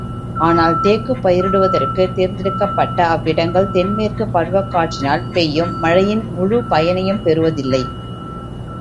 ஆனால், தேக்கு பயிரிடுவதற்குத் தேர்ந்தெடுக்கப்பட்ட அவ்விடங்கள், தென் மேற்குப் பருவக்காற்றினால் பெய்யும் மழையின் முழுப் பயனையும் பெறுவதில்லை.